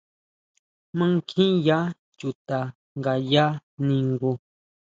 ¿Mankjiya chuta ngaya ningu?